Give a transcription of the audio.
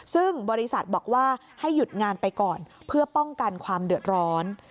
ซึ่งบริษัทบอกว่าให้หยุดงานไปก่อนเพื่อป้องกันความเดือดร้อน